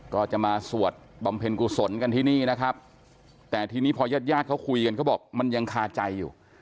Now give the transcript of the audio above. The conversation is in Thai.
ก็จะมาสวดบำเพ็ญกุศลกันที่นี่นะครับแต่ทีนี้พอญาติญาติเขาคุยกันเขาบอกมันยังคาใจอยู่